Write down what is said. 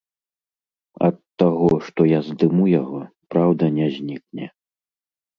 Ад таго, што я здыму яго, праўда не знікне!